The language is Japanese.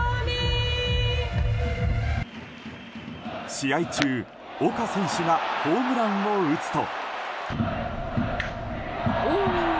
試合中、岡選手がホームランを打つと。